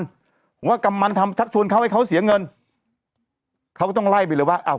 ว่ากำมันทำชักชวนเขาให้เขาเสียเงินเขาก็ต้องไล่ไปเลยว่าอ้าว